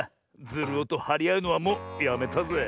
ズルオとはりあうのはもうやめたぜ。